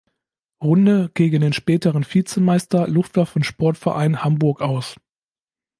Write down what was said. Runde gegen den späteren Vizemeister Luftwaffen-Sportverein Hamburg aus.